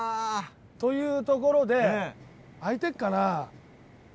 というところで開いてっかなぁ。